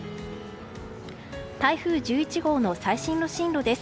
台風１１号の最新の進路です。